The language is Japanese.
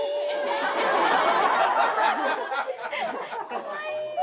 かわいい！